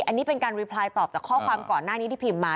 อันนี้เป็นการรีพลายตอบจากข้อความก่อนหน้านี้ที่พิมพ์มา